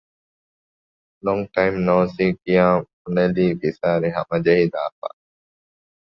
ލޯންގް ޓައިމް ނޯސީ ކިޔާން ބުނެލީ ފިސާރިހަމަޖެހިލާފަ